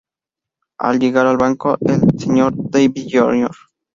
Al llegar al banco, el Sr. Dawes Jr.